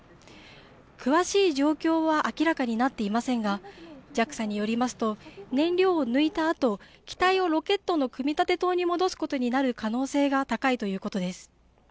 詳しい状況は明らかになっていませんがＪＡＸＡによりますと燃料を抜いたあと機体をロケットの組み立て棟に戻すことになる可能性が高いということです。